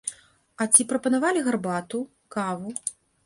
А ці прапанавалі гарбату, каву?